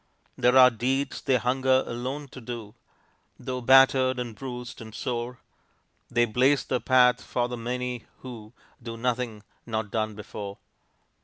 There are deeds they hunger alone to do; Though battered and bruised and sore, They blaze the path for the many, who Do nothing not done before.